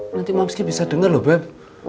nanti mamski bisa denger loh beb